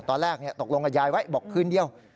ตอนแรกตกลงกับยายไว้บอกคืนเดียว